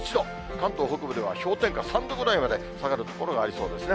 関東北部では氷点下３度ぐらいまで下がる所がありそうですね。